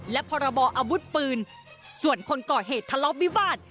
และพรบออาวุธปืนส่วนคนก่อเหตุทะเลาะวิวาส